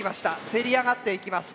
せり上がっていきます。